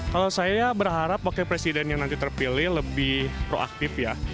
kalau saya berharap wakil presiden yang nanti terpilih lebih proaktif ya